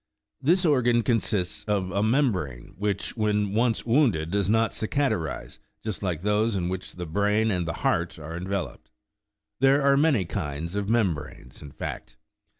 This organ consists of a membrane, which, when once wounded, does not1 cicatrize, just like those in which the brain and the heart are enveloped : there are many kinds of membranes, in fact.